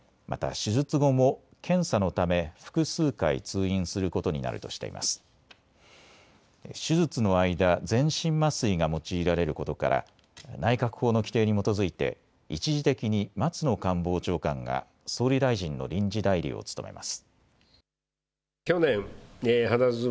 手術の間、全身麻酔が用いられることから内閣法の規定に基づいて一時的に松野官房長官が総理大臣の臨時代理を務めます。